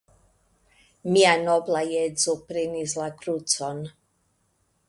Mia nobla edzo prenis la krucon.